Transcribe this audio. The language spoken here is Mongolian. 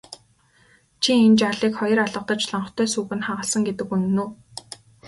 Чи энэ жаалыг хоёр алгадаж лонхтой сүүг нь хагалсан гэдэг үнэн үү?